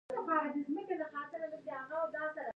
پر سر یې ښکل کړ .